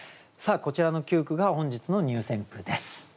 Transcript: こちらの９句が本日の入選句です。